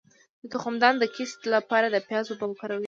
د تخمدان د کیست لپاره د پیاز اوبه وکاروئ